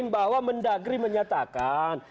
bahwa mendagri menyatakan